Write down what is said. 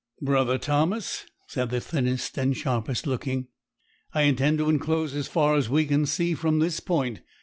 'Brother Thomas,' said the thinnest and sharpest looking, 'I intend to enclose as far as we can see from this point.